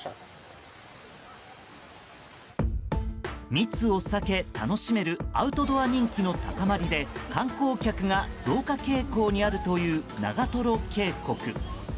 密を避け楽しめるアウトドア人気の高まりで観光客が増加傾向にあるという長瀞渓谷。